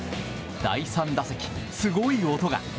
第３打席、すごい音が。